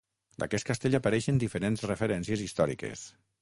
D'aquest castell apareixen diferents referències històriques.